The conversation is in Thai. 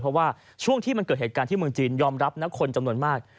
เพราะว่าช่วงที่มันเกิดเหตุการณ์ที่เมืองจีนยอมรับนะคนจำนวนมาก